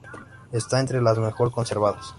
Está entre las mejor conservadas.